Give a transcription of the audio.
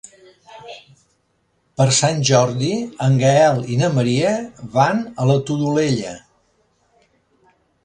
Per Sant Jordi en Gaël i na Maria van a la Todolella.